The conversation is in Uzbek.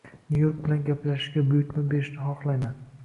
Nyu-York bilan gaplashishga buyurtma berishni xohlayman.